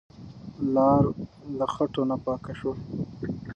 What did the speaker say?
لار د خټو نه پاکه شوه.